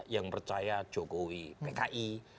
yang percaya jokowi pki